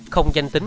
không danh tính